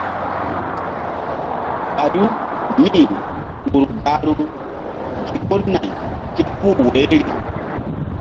Ɓayu míur gahru gi ko nay képuh woyri.